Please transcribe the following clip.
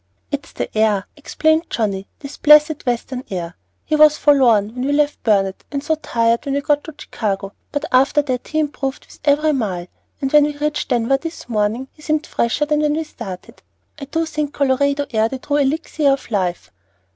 "It's the air," explained Johnnie, "this blessed Western air! He was forlorn when we left Burnet, and so tired when we got to Chicago; but after that he improved with every mile, and when we reached Denver this morning he seemed fresher than when we started. I do think Colorado air the true elixir of life."